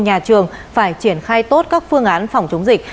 nhà trường phải triển khai tốt các phương án phòng chống dịch